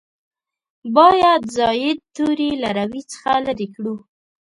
باید زاید توري له روي څخه لرې کړو.